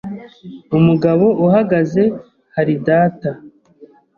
Umugabo uhagaze hari data.